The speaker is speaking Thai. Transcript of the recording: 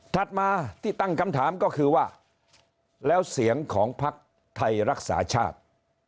มาที่ตั้งคำถามก็คือว่าแล้วเสียงของภักดิ์ไทยรักษาชาติ